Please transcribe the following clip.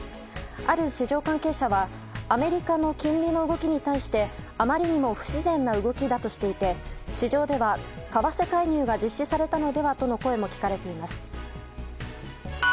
ある市場関係者はアメリカの金利の動きに対してあまりにも不自然な動きだとしていて市場では、為替介入が実施されたのではとの声も聞かれています。